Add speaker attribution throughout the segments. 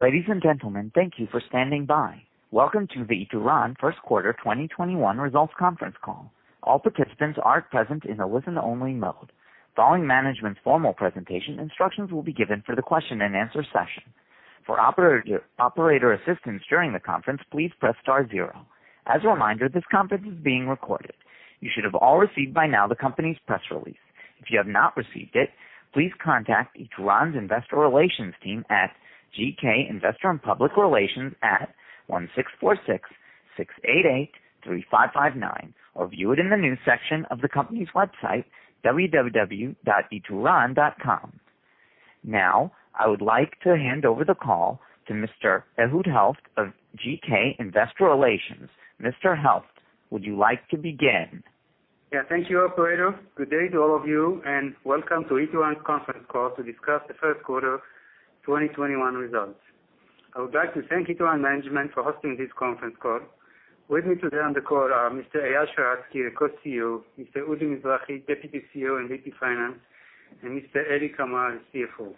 Speaker 1: Ladies and gentlemen, thank you for standing by. Welcome to the Ituran first quarter 2021 results conference call. All participants are present in a listen-only mode. Following management's formal presentation, instructions will be given for the question and answer session. For operator assistance during the conference, please press star zero. As a reminder, this conference is being recorded. You should have all received by now the company's press release. If you have not received it, please contact Ituran's investor relations team at GK Investor & Public Relations at 1-646-688-3559, or view it in the news section of the company's website, www.ituran.com. I would like to hand over the call to Mr. Ehud Helft of GK Investor Relations. Mr. Helft, would you like to begin?
Speaker 2: Yeah, thank you, operator. Good day to all of you, and welcome to Ituran conference call to discuss the first quarter 2021 results. I would like to thank Ituran management for hosting this conference call. With me today on the call are Mr. Eyal Sheratzky, Co-CEO, Mr. Udi Mizrahi, Deputy CEO and Deputy Finance, and Mr. Eli Kamer, CFO.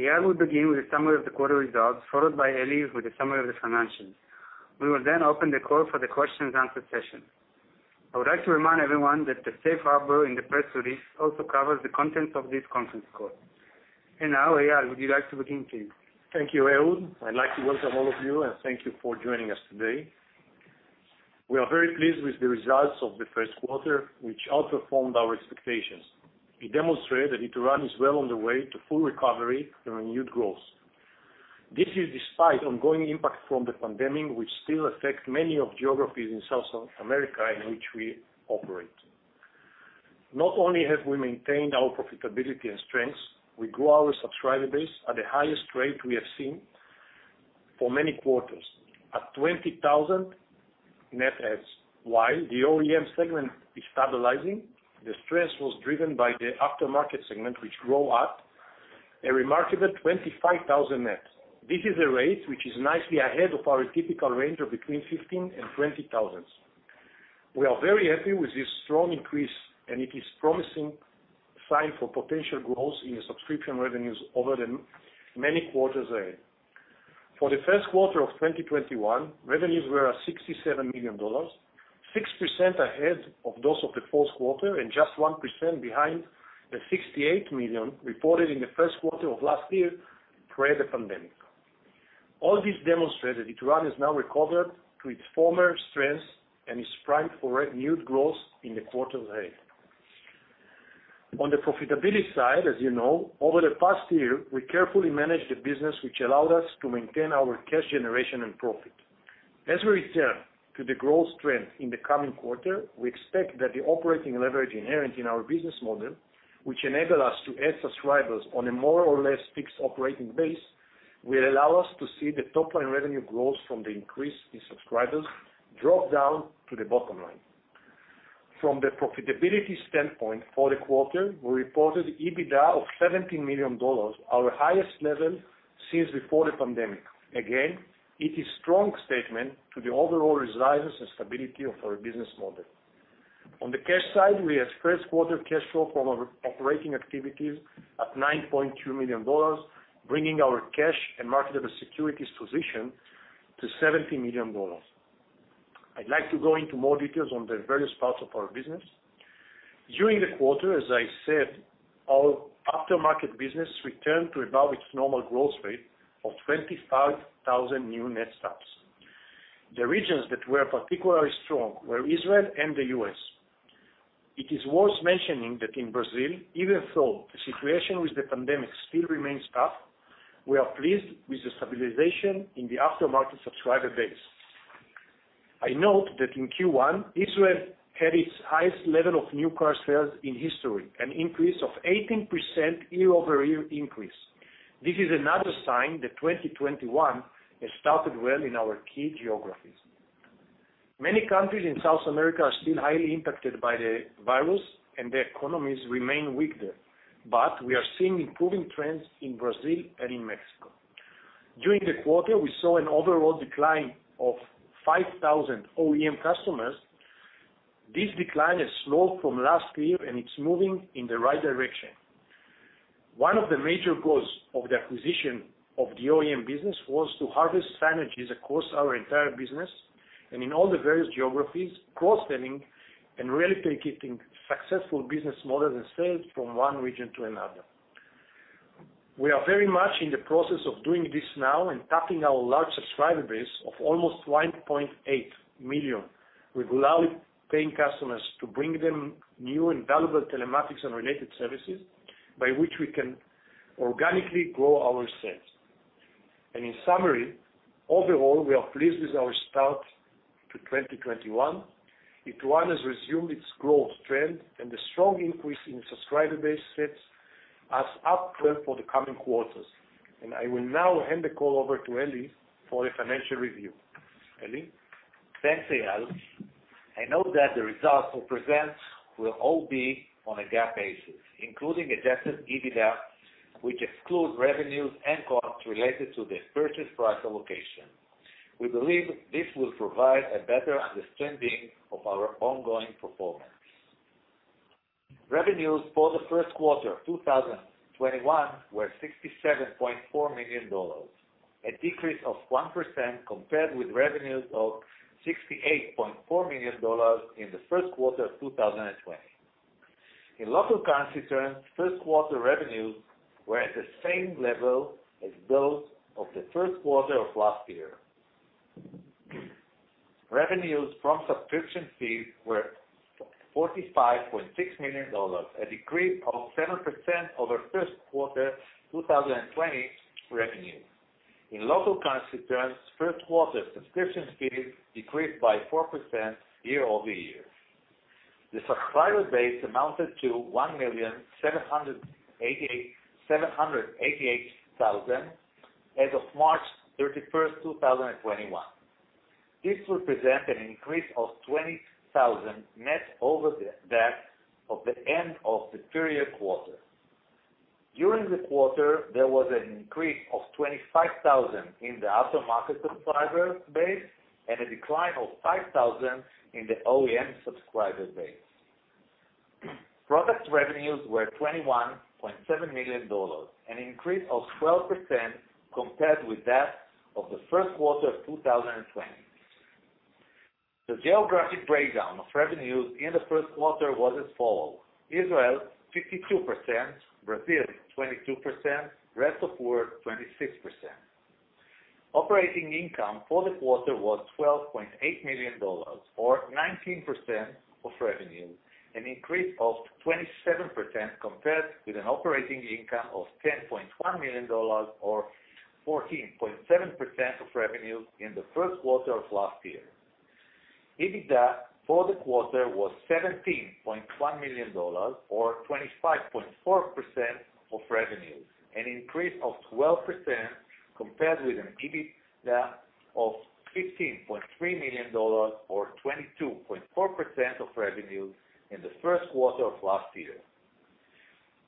Speaker 2: Eyal will begin with a summary of the quarter results, followed by Eli with a summary of the financials. We will then open the call for the question and answer session. I would like to remind everyone that the safe harbor in the press release also covers the content of this conference call. Now, Eyal, would you like to continue?
Speaker 3: Thank you, Ehud. I'd like to welcome all of you, and thank you for joining us today. We are very pleased with the results of the first quarter, which outperformed our expectations. We demonstrate that Ituran is well on the way to full recovery and renewed growth. This is despite ongoing impact from the pandemic, which still affect many of geographies in South America in which we operate. Not only have we maintained our profitability and strengths, we grow our subscriber base at the highest rate we have seen for many quarters, at 20,000 net adds. While the OEM segment is stabilizing, the strength was driven by the aftermarket segment, which grew at a remarkable 25,000 net. This is a rate which is nicely ahead of our typical range of between 15,000 and 20,000. We are very happy with this strong increase. It is promising sign for potential growth in subscription revenues over the many quarters ahead. For the first quarter of 2021, revenues were at $67 million, 6% ahead of those of the fourth quarter and just 1% behind the $68 million reported in the first quarter of last year, pre the pandemic. All this demonstrate that Ituran has now recovered to its former strength and is primed for renewed growth in the quarters ahead. On the profitability side, as you know, over the past year, we carefully managed the business which allowed us to maintain our cash generation and profit. As we return to the growth trend in the coming quarter, we expect that the operating leverage inherent in our business model, which enable us to add subscribers on a more or less fixed operating base, will allow us to see the top-line revenue growth from the increase in subscribers drop down to the bottom line. From the profitability standpoint for the quarter, we reported EBITDA of $17 million, our highest level since before the pandemic. It is strong statement to the overall resilience and stability of our business model. On the cash side, we have first quarter cash flow from our operating activities at $9.2 million, bringing our cash and marketable securities position to $70 million. I'd like to go into more details on the various parts of our business. During the quarter, as I said, our aftermarket business returned to about its normal growth rate of 25,000 new net adds. The regions that were particularly strong were Israel and the U.S. It is worth mentioning that in Brazil, even though the situation with the pandemic still remains tough, we are pleased with the stabilization in the aftermarket subscriber base. I note that in Q1, Israel had its highest level of new car sales in history, an increase of 18% year-over-year increase. This is another sign that 2021 has started well in our key geographies. Many countries in South America are still highly impacted by the virus, and the economies remain weakened, but we are seeing improving trends in Brazil and in Mexico. During the quarter, we saw an overall decline of 5,000 OEM customers. This decline has slowed from last year, and it's moving in the right direction. One of the major goals of the acquisition of the OEM business was to harvest synergies across our entire business and in all the various geographies, cross-selling, and replicating successful business models and sales from one region to another. We are very much in the process of doing this now and tapping our large subscriber base of almost 1.8 million with loyal paying customers to bring them new and valuable telematics and related services by which we can organically grow our sales. In summary, overall, we are pleased with our start to 2021. Ituran has resumed its growth trend, and the strong increase in subscriber base sets us up well for the coming quarters. I will now hand the call over to Eli for the financial review. Eli?
Speaker 4: Thanks, Eyal. I note that the results we present will all be on a GAAP basis, including adjusted EBITDA, which exclude revenues and costs related to the purchase price allocation. We believe this will provide a better understanding of our ongoing performance. Revenues for the first quarter of 2021 were $67.4 million, a decrease of 1% compared with revenues of $68.4 million in the first quarter of 2020. In local currency terms, first quarter revenues were at the same level as those of the first quarter of last year. Revenues from subscription fees were $45.6 million, a decrease of 7% over first quarter 2020 revenues. In local currency terms, first quarter subscription fees decreased by 4% year over year. The subscriber base amounted to 1,788,000 as of March 31st, 2021. This represents an increase of 20,000 net over that of the end of the previous quarter. During the quarter, there was an increase of 25,000 in the aftermarket subscriber base and a decline of 5,000 in the OEM subscriber base. Product revenues were $21.7 million, an increase of 12% compared with that of the first quarter of 2020. The geographic breakdown of revenues in the first quarter was as follows: Israel 52%, Brazil 22%, rest of world 26%. Operating income for the quarter was $12.8 million or 19% of revenue, an increase of 27% compared with an operating income of $10.1 million, or 14.7% of revenue in the first quarter of last year. EBITDA for the quarter was $17.1 million, or 25.4% of revenues, an increase of 12% compared with an EBITDA of $15.3 million or 22.4% of revenues in the first quarter of last year.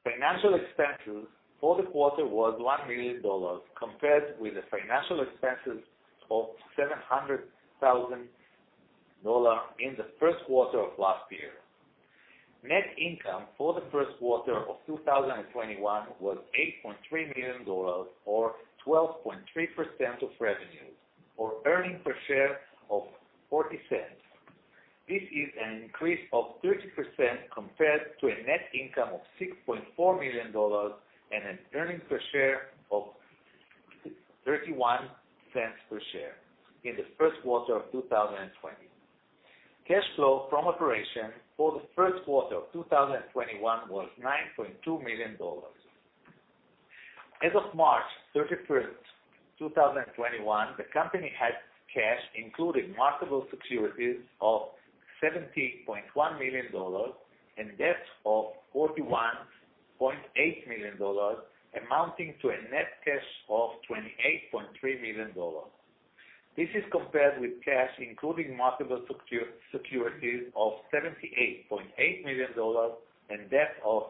Speaker 4: Financial expenses for the quarter was $1 million, compared with the financial expenses of $700,000 in the first quarter of last year. Net income for the first quarter of 2021 was $8.3 million, or 12.3% of revenues, or earnings per share of $0.40. This is an increase of 13% compared to a net income of $6.4 million and an earnings per share of $0.31 per share in the first quarter of 2020. Cash flow from operations for the first quarter of 2021 was $9.2 million. As of March 31st, 2021, the company had cash, including marketable securities, of $17.1 million and debt of $41.8 million, amounting to a net cash of $28.3 million. This is compared with cash, including marketable securities of $78.8 million and debt of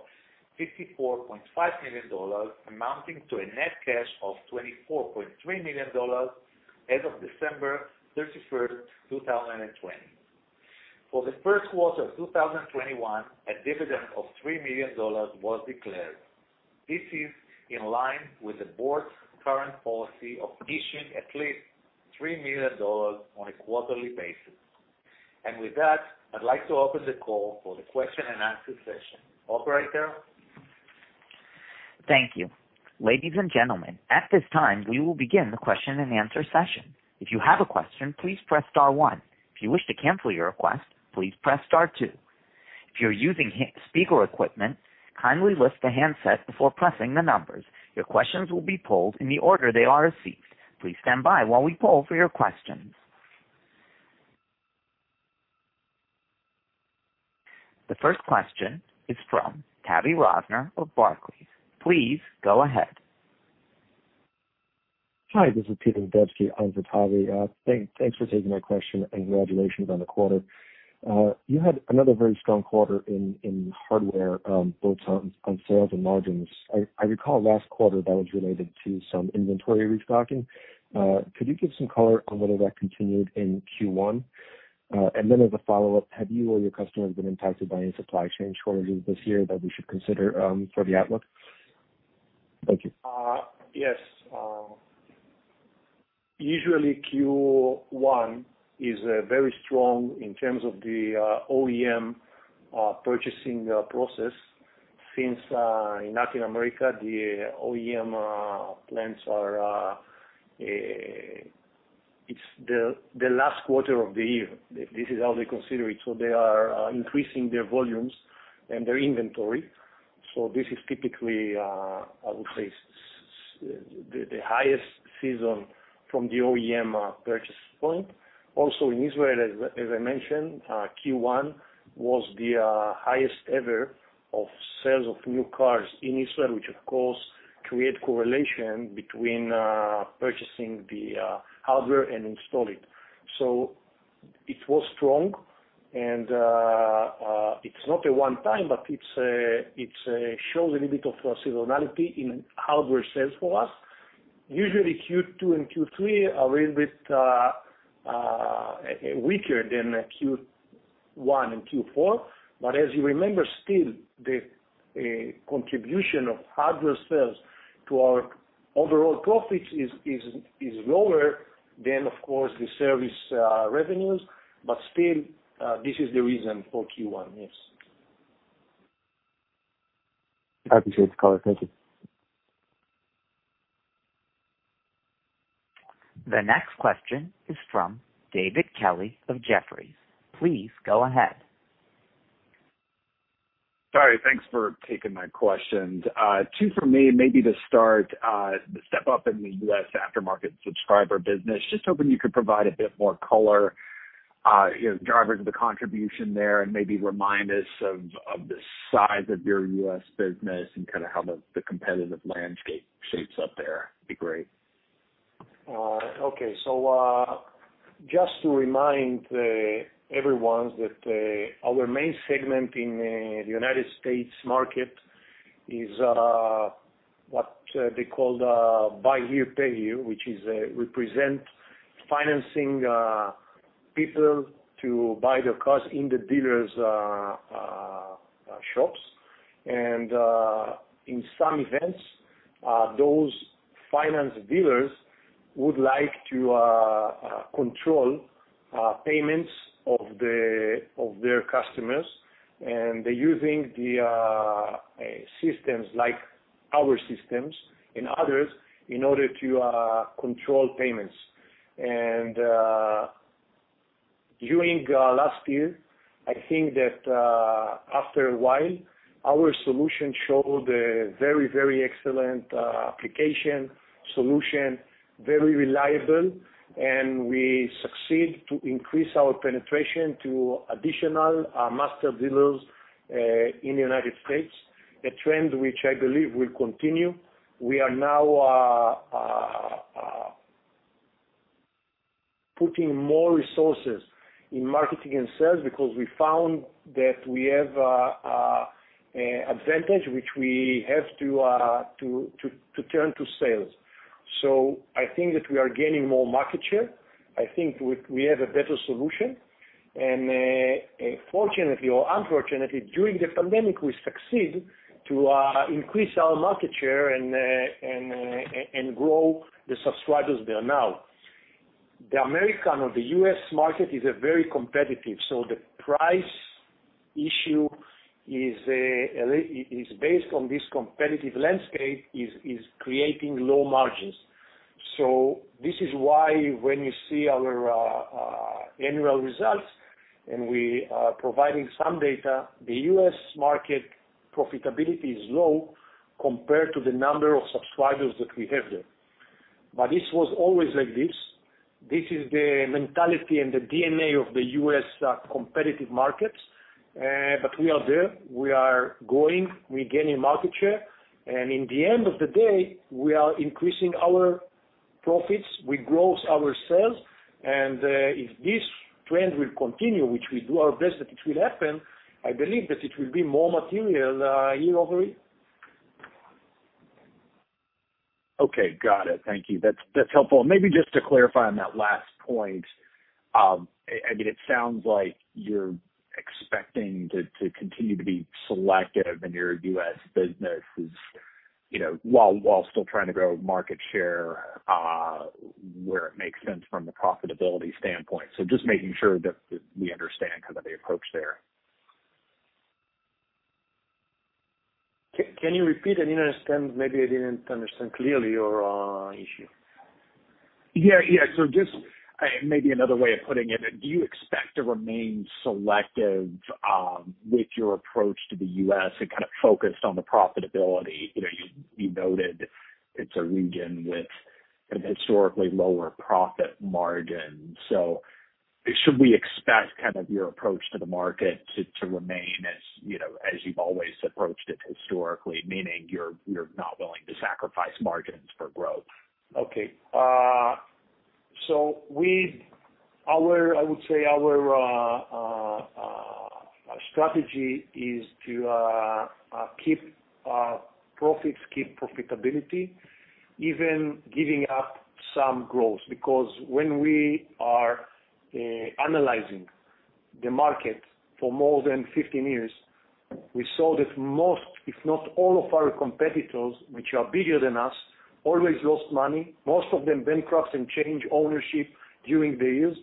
Speaker 4: $54.5 million, amounting to a net cash of $24.3 million as of December 31st, 2020. For the first quarter of 2021, a dividend of $3 million was declared. This is in line with the board's current policy of issuing at least $3 million on a quarterly basis. With that, I'd like to open the call for the question and answer session. Operator?
Speaker 1: Thank you. Ladies and gentlemen, at this time, we will begin the question and answer session. The first question is from Tavy Rosner of Barclays. Please go ahead.
Speaker 5: Hi, this is Tavy Rosner. Thanks for taking my question, and congratulations on the quarter. You had another very strong quarter in hardware, both on sales and margins. I recall last quarter that was related to some inventory restocking. Could you give some color on whether that continued in Q1? Then as a follow-up, have you or your customers been impacted by any supply chain shortages this year that we should consider for the outlook? Thank you.
Speaker 4: Usually Q1 is very strong in terms of the OEM purchasing process since in Latin America, the OEM plants are. It's the last quarter of the year. This is how they consider it. They are increasing their volumes and their inventory. This is typically, I would say, the highest season from the OEM purchase point. Also in Israel, as I mentioned, Q1 was the highest ever of sales of new cars in Israel, which of course create correlation between purchasing the hardware and install it. It was strong, and it's not a one time, but it shows a little bit of seasonality in hardware sales for us.
Speaker 3: Usually Q2 and Q3 are a little bit weaker than Q1 and Q4. As you remember, still the contribution of hardware sales to our overall profits is lower than, of course, the service revenues. Still, this is the reason for Q1. Yes.
Speaker 5: Appreciate the color. Thank you.
Speaker 1: The next question is from David Kelley of Jefferies. Please go ahead.
Speaker 6: Sorry. Thanks for taking my questions. Two from me, maybe to start, the step up in the U.S. aftermarket subscriber business, just hoping you could provide a bit more color, driver to the contribution there and maybe remind us of the size of your U.S. business and how the competitive landscape shapes up there. It'd be great.
Speaker 3: Just to remind everyone that our main segment in the United States market is what they call buy here, pay here, which represent financing people to buy the cars in the dealers' shops. In some events, those finance dealers would like to control payments of their customers. They're using systems like our systems and others in order to control payments. During last year, I think that after a while, our solution showed a very excellent application solution, very reliable, and we succeed to increase our penetration to additional master dealers in the United States, a trend which I believe will continue. We are now putting more resources in marketing and sales because we found that we have advantage, which we have to turn to sales. I think that we are gaining more market share. I think we have a better solution. Fortunately or unfortunately, during the pandemic, we succeed to increase our market share and grow the subscribers there now. The American or the U.S. market is a very competitive. The price issue is based on this competitive landscape is creating low margins. This is why when you see our annual results and we are providing some data, the U.S. market profitability is low compared to the number of subscribers that we have there. This was always like this. This is the mentality and the DNA of the U.S. competitive markets. We are there. We are going. We're gaining market share. In the end of the day, we are increasing our profits. We grow our sales. If this trend will continue, which we do our best that it will happen, I believe that it will be more material year-over-year.
Speaker 6: Okay, got it. Thank you. That's helpful. Maybe just to clarify on that last point. It sounds like you're expecting to continue to be selective in your U.S. businesses while still trying to grow market share where it makes sense from a profitability standpoint. Just making sure that we understand the approach there.
Speaker 3: Can you repeat? I didn't understand. Maybe I didn't understand clearly your issue.
Speaker 6: Yeah. Just maybe another way of putting it, do you expect to remain selective with your approach to the U.S. and kind of focus on the profitability? You noted it's a region with an historically lower profit margin. Should we expect your approach to the market to remain as you've always approached it historically, meaning you're not willing to sacrifice margins for growth?
Speaker 3: Okay. I would say our strategy is to keep profits, keep profitability, even giving up some growth. Because when we are analyzing the market for more than 15 years, we saw that most, if not all of our competitors, which are bigger than us, always lost money. Most of them bankrupt and change ownership during the years.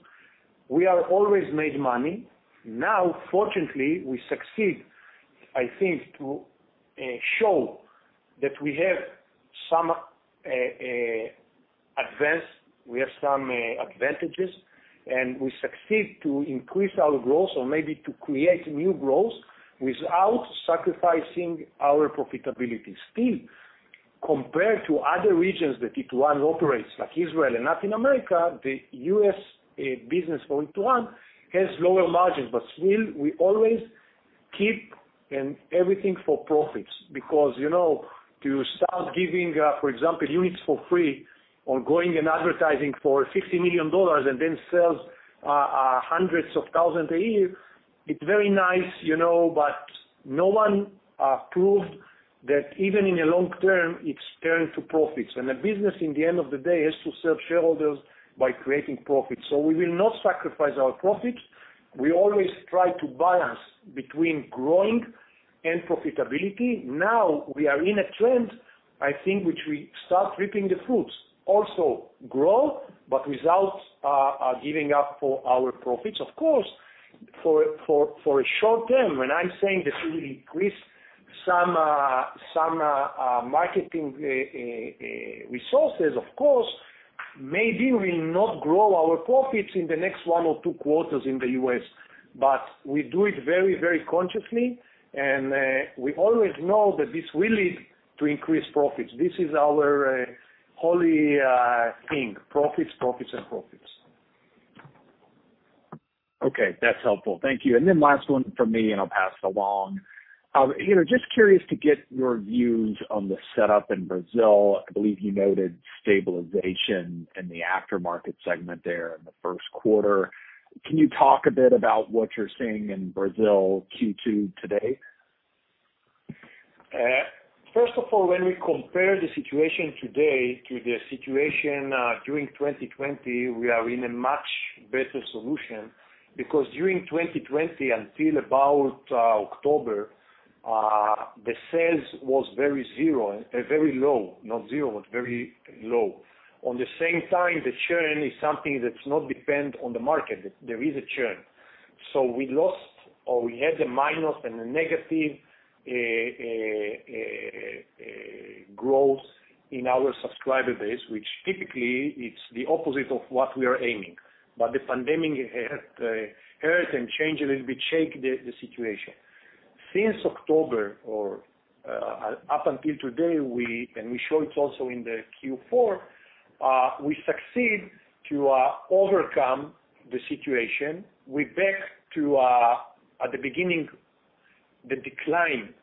Speaker 3: We are always made money. Now, fortunately, we succeed, I think, to show that we have some advantages, and we succeed to increase our growth or maybe to create new growth without sacrificing our profitability. Still, compared to other regions that Ituran operates, like Israel and Latin America, the U.S. business of Ituran has lower margins, but still we always keep everything for profits because to start giving, for example, units for free or going and advertising for $50 million and then sell hundreds of thousands a year. It's very nice, but no one proved that even in the long term, it's turned to profits. A business, at the end of the day, is to serve shareholders by creating profits. We will not sacrifice our profits. We always try to balance between growing and profitability. Now, we are in a trend, I think, which we start reaping the fruits, also growth, but without giving up for our profits. Of course, for a short term, when I'm saying that we increase some marketing resources, of course, maybe we'll not grow our profits in the next one or two quarters in the U.S. We do it very consciously, and we always know that this will lead to increased profits. This is our holy thing, profits, and profits.
Speaker 6: Okay. That's helpful. Thank you. Last one from me, and I'll pass it along. I'm just curious to get your views on the setup in Brazil. I believe you noted stabilization in the aftermarket segment there in the first quarter. Can you talk a bit about what you're seeing in Brazil Q2 today?
Speaker 3: When we compare the situation today to the situation during 2020, we are in a much better solution, because during 2020 until about October, the sales was very low. Not zero, but very low. On the same time, the churn is something that's not dependent on the market. There is a churn. We lost, or we had the minus and the negative growth in our subscriber base, which typically it's the opposite of what we are aiming. The pandemic hit and change a little bit, shake the situation. Since October or up until today, and we show it also in the Q4, we succeed to overcome the situation. We're back to at the beginning, the decline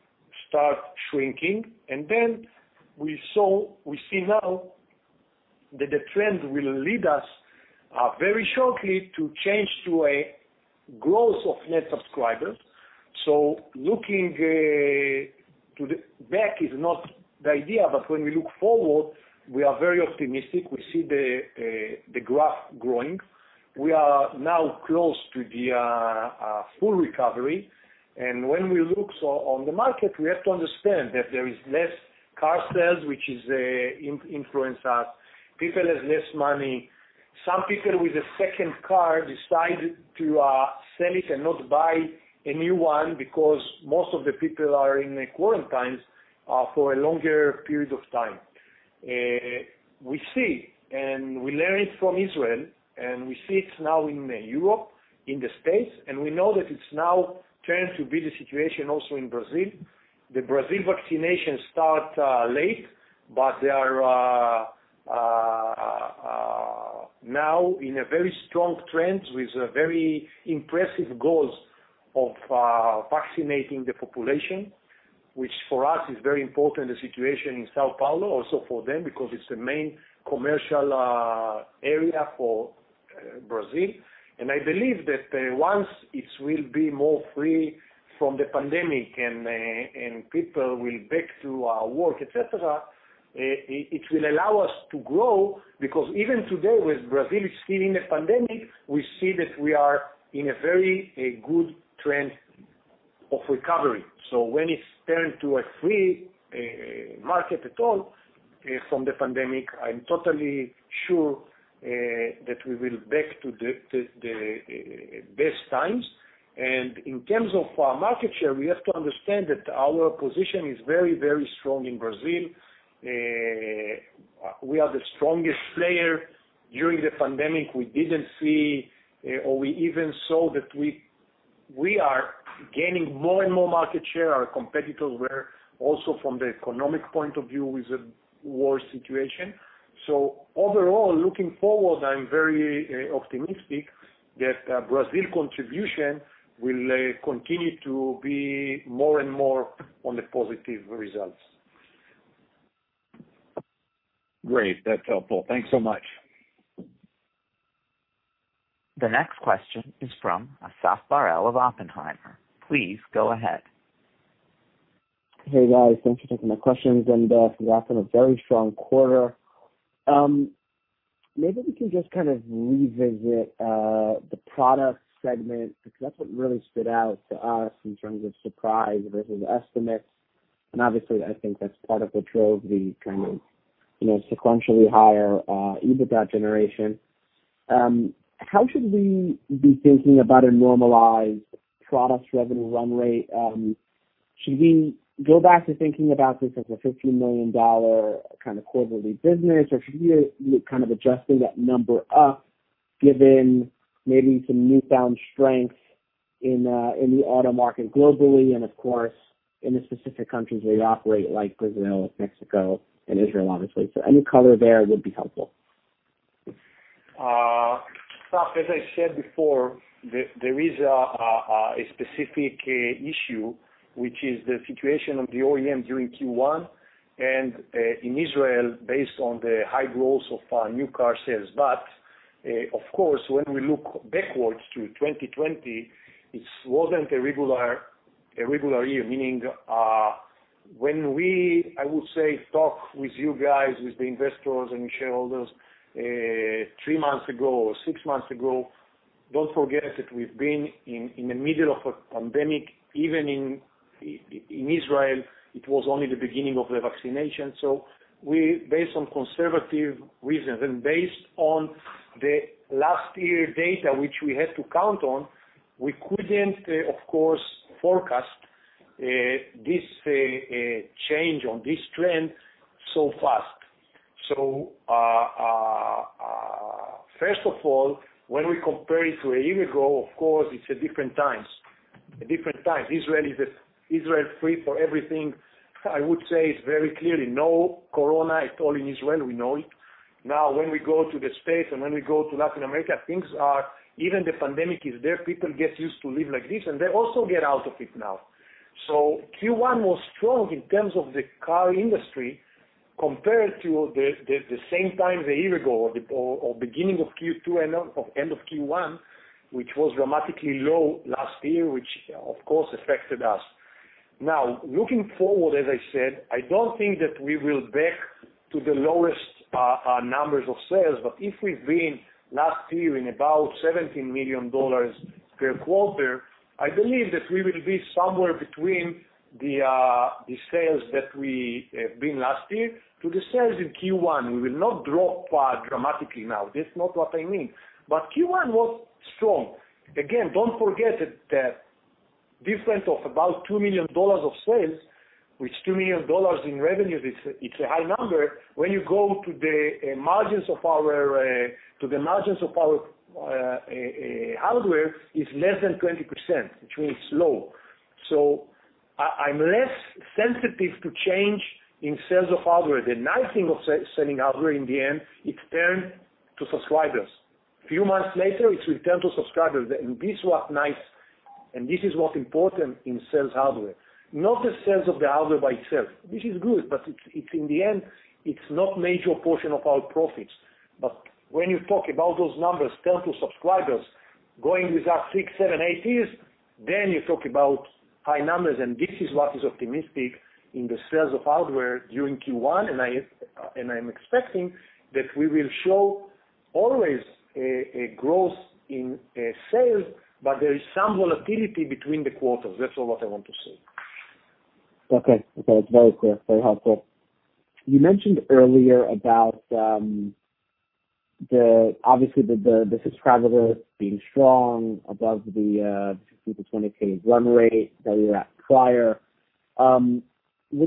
Speaker 3: start shrinking, we see now that the trend will lead us very shortly to change to a growth of net subscribers. Looking back is not the idea, but when we look forward, we are very optimistic. We see the graph growing. We are now close to the full recovery. When we look so on the market, we have to understand that there is less car sales, which is influenced that people have less money. Some people with a second car decided to sell it and not buy a new one because most of the people are in quarantine for a longer period of time. We see and we learn it from Israel, and we see it now in Europe, in the U.S., and we know that it's now turned to be the situation also in Brazil. The Brazil vaccination start late, but they are now in a very strong trend with a very impressive goals of vaccinating the population, which for us is very important, the situation in São Paulo, also for them, because it's the main commercial area for Brazil. I believe that once it will be more free from the pandemic and people will be back to work, et cetera, it will allow us to grow, because even today, when Brazil is still in a pandemic, we see that we are in a very good trend of recovery. When it's turned to a free market at all from the pandemic, I'm totally sure that we will be back to the best times. In terms of our market share, we have to understand that our position is very strong in Brazil. We are the strongest player. During the pandemic, we didn't see, or we even saw that we are gaining more and more market share. Our competitors were also, from the economic point of view, is a worse situation. Overall, looking forward, I'm very optimistic that Brazil contribution will continue to be more and more on the positive results.
Speaker 6: Great. That is helpful. Thanks so much.
Speaker 1: The next question is from Asaf Barel of Oppenheimer. Please go ahead.
Speaker 7: Hey, guys. Thanks for taking my questions. Eyal, you are off to a very strong quarter. Maybe we can just kind of revisit the product segment because that is what really stood out to us in terms of surprise versus estimates. Obviously, I think that is part of what drove the kind of sequentially higher EBITDA generation. How should we be thinking about a normalized products revenue run rate? Should we go back to thinking about this as a $50 million kind of quarterly business, or should we be kind of adjusting that number up, given maybe some newfound strength in the auto market globally and, of course, in the specific countries you operate, like Brazil, Mexico, and Israel, obviously. Any color there would be helpful.
Speaker 3: Asaf, as I said before, there is a specific issue, which is the situation of the OEM during Q1. In Israel, based on the high growth of our new car sales. Of course, when we look backwards to 2020, it wasn't a regular year, meaning when we, I would say, talk with you guys, with the investors and shareholders three months ago or six months ago, don't forget that we've been in the middle of a pandemic, even in Israel, it was only the beginning of the vaccination. Based on conservative reasons and based on the last year data, which we had to count on, we couldn't, of course, forecast this change on this trend so fast. First of all, when we compare it to a year ago, of course, it's a different time. Israel is free for everything. I would say it very clearly, no corona at all in Israel, we know it. When we go to the U.S. and when we go to Latin America, even the pandemic is there, people get used to living like this, and they also get out of it now. Q1 was strong in terms of the car industry compared to the same time a year ago or beginning of Q2 and of end of Q1, which was dramatically low last year, which of course affected us. Looking forward, as I said, I don't think that we will be back to the lowest numbers of sales, but if we've been last year in about $17 million per quarter, I believe that we will be somewhere between the sales that we've been last year to the sales in Q1. We will not drop dramatically now, that's not what I mean. Q1 was strong. Again, don't forget that the difference of about $2 million of sales, which $2 million in revenue, it's a high number. When you go to the margins of our hardware, it's less than 20%, which means low. I'm less sensitive to change in sales of hardware. The nice thing of selling hardware in the end, it turns to subscribers. Few months later, it will turn to subscribers, and this is what's important in sales hardware, not the sales of the hardware by itself. This is good, but in the end, it's not major portion of our profits. When you talk about those numbers turn to subscribers going with us six, seven, eight years, then you talk about high numbers, and this is what is optimistic in the sales of hardware during Q1. I'm expecting that we will show always a growth in sales, but there is some volatility between the quarters. That's all what I want to say.
Speaker 7: Okay. Very clear, very helpful. You mentioned earlier about obviously the subscribers being strong above the 16K-20K run rate that you had prior. When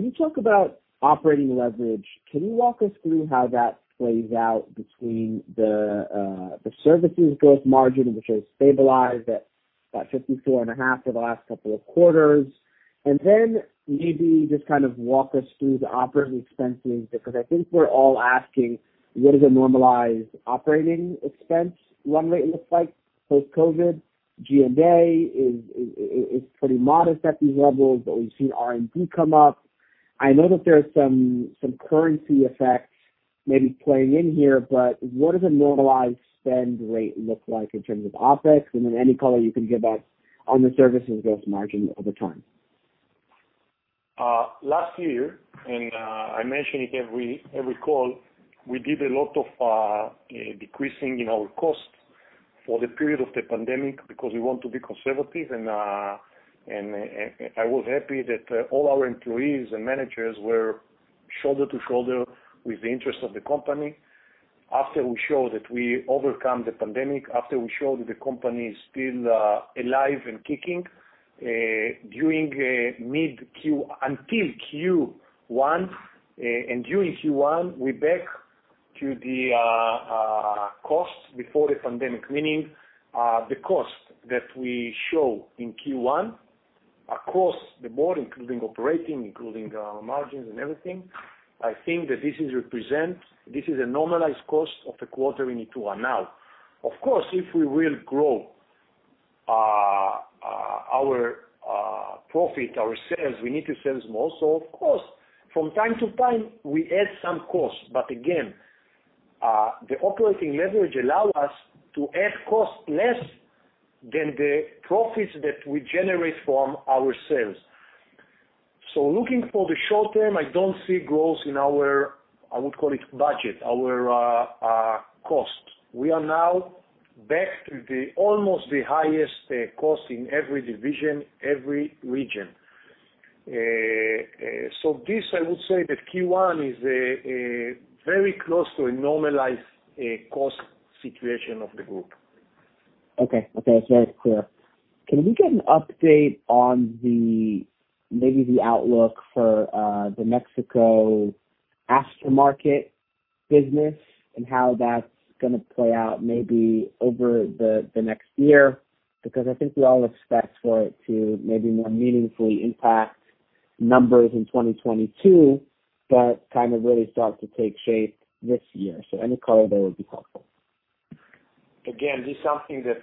Speaker 7: you talk about operating leverage, can you walk us through how that plays out between the services growth margin, which has stabilized at that 54.5% for the last couple of quarters, and then maybe just walk us through the operating expenses? I think we're all asking what does a normalized operating expense run rate look like post-COVID? G&A is pretty modest at these levels. We've seen R&D come up. I know that there's some currency effects maybe playing in here. What does a normalized spend rate look like in terms of opex? Any color you can give us on the services growth margin over time.
Speaker 3: Last year, I mention it every call, we did a lot of decreasing in our cost for the period of the pandemic because we want to be conservative, and I was happy that all our employees and managers were shoulder to shoulder with the interest of the company. After we show that we overcome the pandemic, after we show that the company is still alive and kicking, until Q1 and during Q1, we're back to the cost before the pandemic. Meaning, the cost that we show in Q1 across the board, including operating, including our margins and everything, I think that this is a normalized cost of the quarter in Q1 now. Of course, if we will grow our profit, our sales, we need to sell more. Of course, from time to time, we add some costs. Again, the operating leverage allow us to add cost less than the profits that we generate from our sales. Looking for the short term, I don't see growth in our, I would call it budget, our cost. We are now back to almost the highest cost in every division, every region. This, I would say that Q1 is very close to a normalized cost situation of the group.
Speaker 7: Okay. Very clear. Can we get an update on maybe the outlook for the Mexico aftermarket business and how that's going to play out maybe over the next year? Because I think we all expect for it to maybe more meaningfully impact numbers in 2022, but really start to take shape this year. Any color there would be helpful.
Speaker 3: Again, this is something that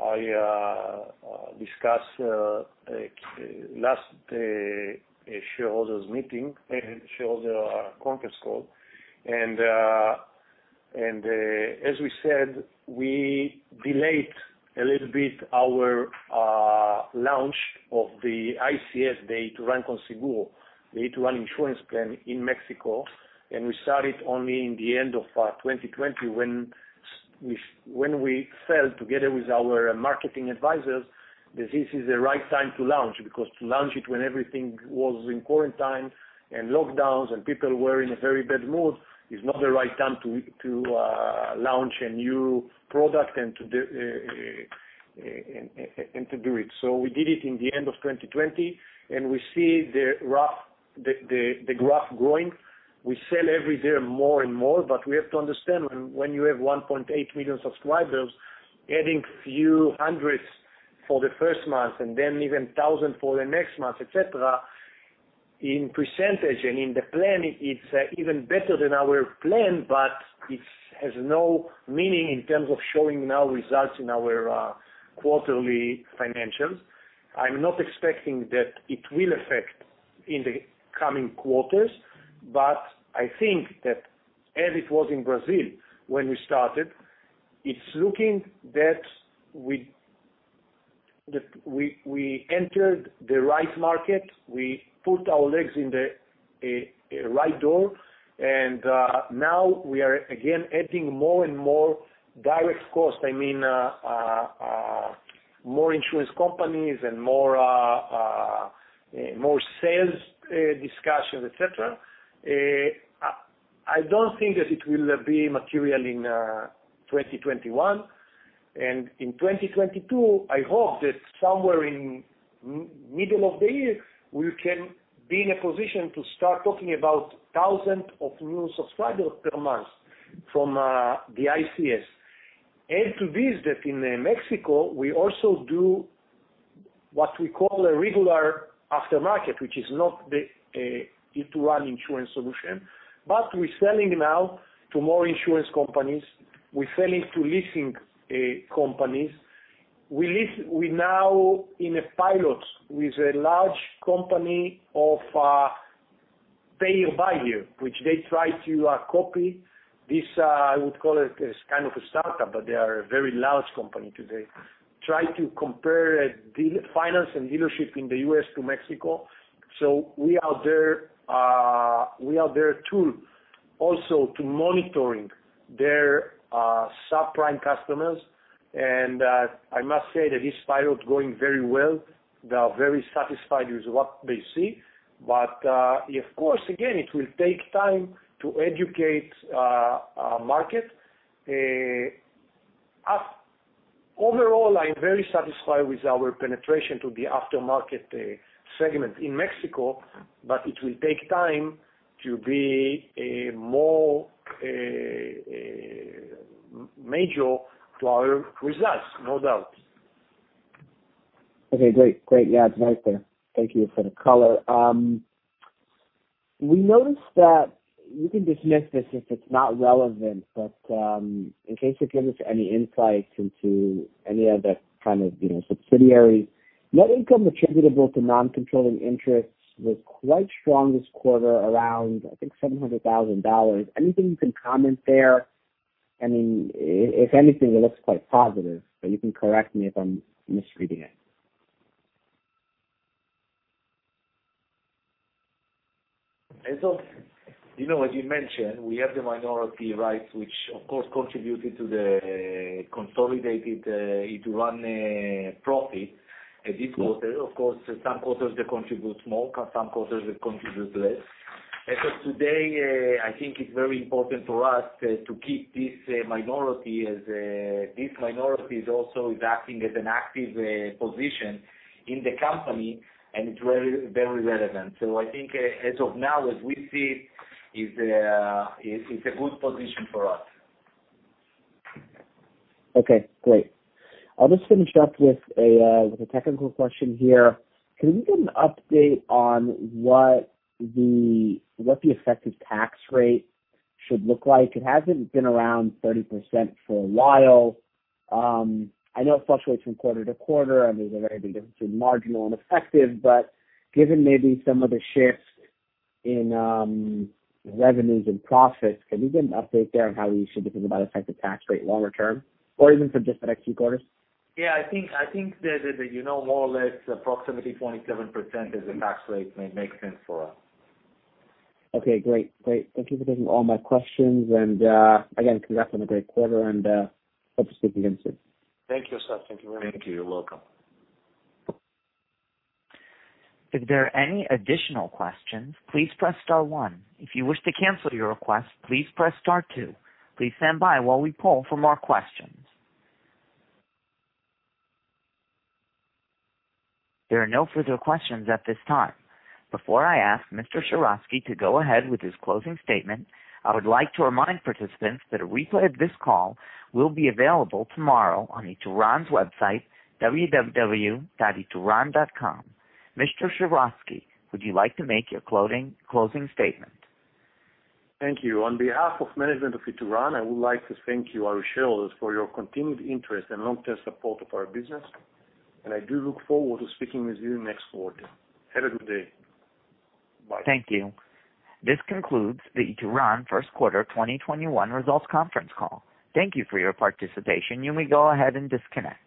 Speaker 3: I discussed last shareholders meeting, shareholder conference call. As we said, we delayed a little bit our launch of the ICS, the Ituran con Seguro, the Ituran insurance plan in Mexico. We started only in the end of 2020 when we felt, together with our marketing advisors, that this is the right time to launch. To launch it when everything was in quarantine and lockdowns and people were in a very bad mood, it's not the right time to launch a new product and to do it. We did it in the end of 2020, and we see the graph growing. We sell every day more and more. We have to understand when you have 1.8 million subscribers, adding few hundreds for the first month and then even thousand for the next month, et cetera, in percentage and in the planning, it's even better than our plan. It has no meaning in terms of showing now results in our quarterly financials. I'm not expecting that it will affect in the coming quarters. I think that as it was in Brazil when we started, it's looking that we entered the right market. We put our legs in the right door and now we are again adding more and more direct cost. I mean, more insurance companies and more sales discussions, et cetera. I don't think that it will be material in 2021. In 2022, I hope that somewhere in middle of the year, we can be in a position to start talking about thousands of new subscribers per month from the ICS. Add to this, that in Mexico, we also do what we call a regular aftermarket, which is not the Ituran insurance solution. We're selling now to more insurance companies. We're selling to leasing companies. We now in a pilot with a large company of Pay Your Buyer, which they try to copy this, I would call it as kind of a startup, they are a very large company today. Try to compare finance and dealership in the U.S. to Mexico. We are their tool also to monitoring their subprime customers. I must say that this pilot going very well. They are very satisfied with what they see. Of course, again, it will take time to educate market. Overall, I'm very satisfied with our penetration to the aftermarket segment in Mexico, but it will take time to be a more major driver for us, no doubt.
Speaker 7: Okay, great. Yeah, thanks. Thank you for the color. We noticed that, you can just miss this if it's not relevant, but in case it gives any insights into any other kind of subsidiary. Net income attributable to non-controlling interests looks quite strong this quarter around, I think, $700,000. Anything you can comment there? I mean, if anything, it looks quite positive. You can correct me if I'm misreading it.
Speaker 3: Asaf, like you mentioned, we have the minority rights, which of course, contributed to the consolidated Ituran profit this quarter. Of course, some quarters they contribute more, some quarters they contribute less. As of today, I think it's very important for us to keep this minority, as this minority is also acting as an active position in the company, and it's very relevant. I think as of now, as we see it's a good position for us.
Speaker 7: Okay, great. I'll just finish up with a technical question here. Can you give an update on what the effective tax rate should look like? It hasn't been around 30% for a while. I know it fluctuates from quarter to quarter, and there's a very big difference between marginal and effective. Given maybe some of the shifts in revenues and profits, can you give an update there on how you should think about effective tax rate longer term? Or even for just the next few quarters?
Speaker 3: Yeah, I think that more or less approximately 27% as a tax rate may make sense for us.
Speaker 7: Okay, great. Thank you for taking all my questions and again, congrats on a great quarter and hope to speak again soon.
Speaker 3: Thank you, Asaf.
Speaker 7: Thank you. You're welcome.
Speaker 1: There are no further questions at this time. Before I ask Mr. Sheratzky to go ahead with his closing statement, I would like to remind participants that a replay of this call will be available tomorrow on Ituran's website, www.ituran.com. Mr. Sheratzky, would you like to make your closing statement?
Speaker 3: Thank you. On behalf of management of Ituran, I would like to thank you, our shareholders, for your continued interest and long-term support of our business. I do look forward to speaking with you next quarter. Have a good day. Bye.
Speaker 1: Thank you. This concludes the Ituran first quarter 2021 results conference call. Thank you for your participation. You may go ahead and disconnect.